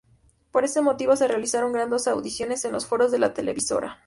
Por ese motivo se realizaron grandes audiciones en los foros de la televisora.